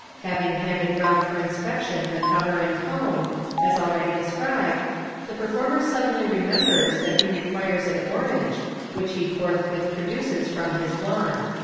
Having handed round for inspection the cover and cone, as already described, the performer suddenly remembers that he requires an orange, which he forthwith produces from his wand.